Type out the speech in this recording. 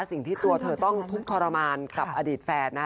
สิ่งที่ตัวเธอต้องทุกข์ทรมานกับอดีตแฟนนะคะ